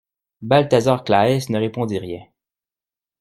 Balthazar Claës ne répondit rien.